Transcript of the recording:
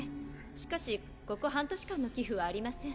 しかしここ半年間の寄付はありません。